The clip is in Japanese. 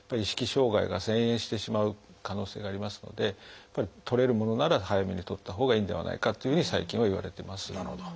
障害が遷延してしまう可能性がありますので取れるものなら早めに取ったほうがいいんではないかというふうに最近はいわれてます。